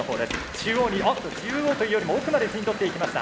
中央に中央というよりも奥まで陣取っていきました。